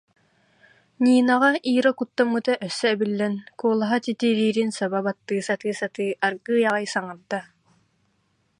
Нинаҕа Ира куттаммыта өссө эбиллэн, куолаһа титириирин саба баттыы сатыы-сатыы аргыый аҕай саҥарда